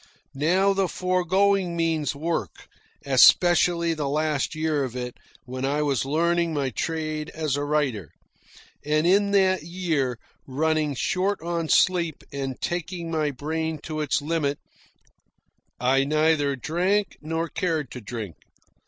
Now the foregoing means work, especially the last year of it, when I was learning my trade as a writer. And in that year, running short on sleep and tasking my brain to its limit, I neither drank nor cared to drink.